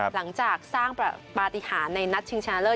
หลังจากสร้างปฏิหารในนัดชิงชนะเลิศ